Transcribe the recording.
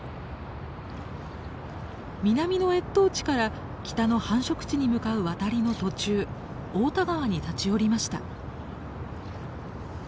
南の越冬地から北の繁殖地に向かう渡りの途中太田川に立ち寄りました。